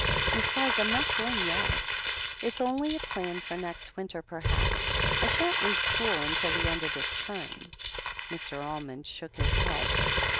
"Besides, Fm not going yet. It's only a plan for next winter perhaps. I shan't leave school until the end of this term." Mr. Almond shook his head.